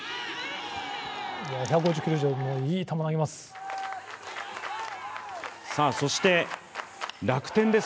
１５０キロ以上のいい球を投げます。